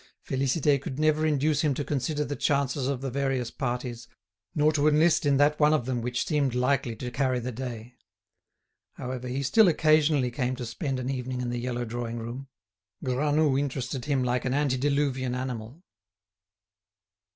Félicité could never induce him to consider the chances of the various parties, nor to enlist in that one of them which seemed likely to carry the day. However, he still occasionally came to spend an evening in the yellow drawing room. Granoux interested him like an antediluvian animal.